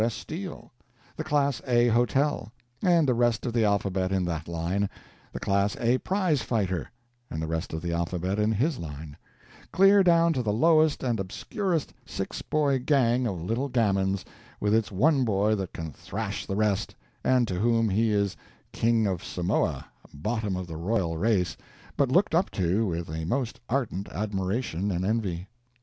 S. Steel; the class A hotel and the rest of the alphabet in that line; the class A prize fighter and the rest of the alphabet in his line clear down to the lowest and obscurest six boy gang of little gamins, with its one boy that can thrash the rest, and to whom he is king of Samoa, bottom of the royal race, but looked up to with a most ardent admiration and envy.